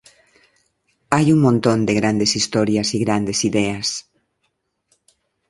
Hay un montón de grandes historias y grandes ideas.